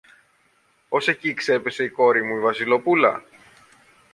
Ως εκεί ξέπεσε η κόρη μου η Βασιλοπούλα;